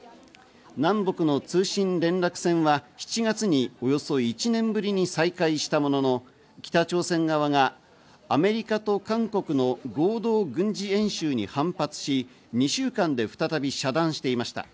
南北の通信連絡線は７月におよそ１年ぶりに再開したものの、北朝鮮側がアメリカと韓国の合同軍事演習に反発し、２週間で再び遮断していました。